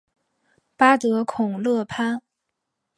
巴德孔勒潘。